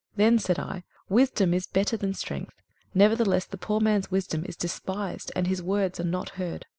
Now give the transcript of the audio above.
21:009:016 Then said I, Wisdom is better than strength: nevertheless the poor man's wisdom is despised, and his words are not heard.